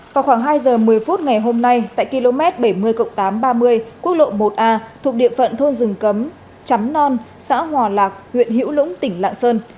vào khoảng hai giờ một mươi phút ngày hôm nay tại km bảy mươi tám trăm ba mươi quốc lộ một a thuộc địa phận thôn rừng cấm chắm non xã hòa lạc huyện hữu lũng tỉnh lạng sơn